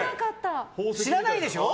知らないでしょ。